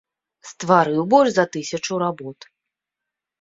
Стварыў больш за тысячу работ.